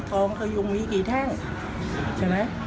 องพยุงมีกี่แท่งใช่ไหม